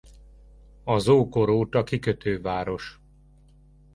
Az ókor óta kikötőváros.